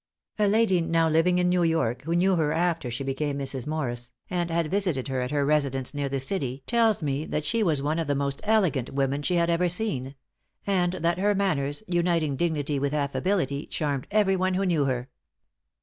A lady now living in New York, who knew her after she became Mrs. Morris, and had visited her at her residence near the city tells me that she was one of the most elegant women she had ever seen; and that her manners, uniting dignity with affability, charmed every one who knew her.